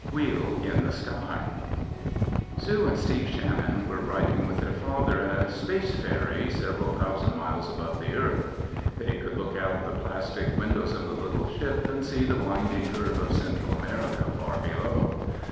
WHEEL IN THE SKY Sue and Steve Shannon were riding with their father in a "space ferry" several thousand miles above the Earth. They could look out of the plastic windows of the little ship and see the winding curve of Central America far below.